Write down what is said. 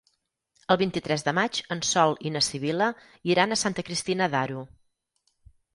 El vint-i-tres de maig en Sol i na Sibil·la iran a Santa Cristina d'Aro.